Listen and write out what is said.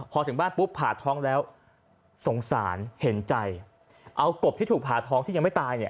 พอถึงบ้านปุ๊บผ่าท้องแล้วสงสารเห็นใจเอากบที่ถูกผ่าท้องที่ยังไม่ตายเนี่ย